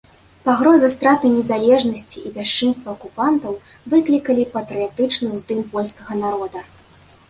Пагроза страты незалежнасці і бясчынствы акупантаў выклікалі патрыятычны ўздым польскага народа.